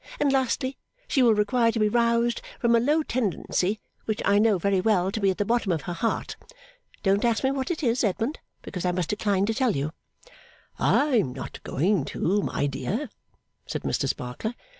And lastly, she will require to be roused from a low tendency which I know very well to be at the bottom of her heart. Don't ask me what it is, Edmund, because I must decline to tell you.' 'I am not going to, my dear,' said Mr Sparkler.